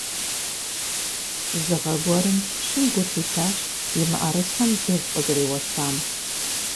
Зы гъэ гуэрым пщым гу лъитащ и мыӀэрысэм дыгъу къызэреуэсам.